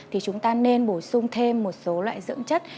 thì chúng ta nên bổ sung thêm một số loại dưỡng chất